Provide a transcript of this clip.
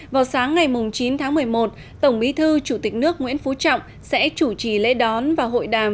vào sáng ngày chín tháng một mươi một tổng bí thư chủ tịch nước nguyễn phú trọng sẽ chủ trì lễ đón và hội đàm